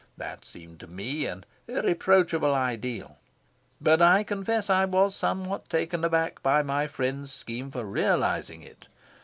That seemed to me an irreproachable ideal. But I confess I was somewhat taken aback by my friend's scheme for realising it.